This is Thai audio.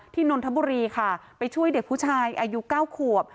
นนทบุรีค่ะไปช่วยเด็กผู้ชายอายุเก้าขวบ